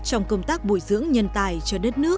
trong công tác bồi dưỡng nhân tài cho đất nước